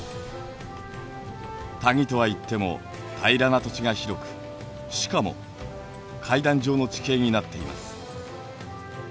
谷とはいっても平らな土地が広くしかも階段状の地形になっています。